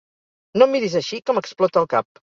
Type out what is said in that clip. No em miris així, que m'explota el cap.